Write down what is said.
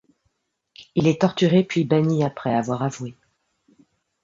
Il est torturé puis banni après avoir avoué.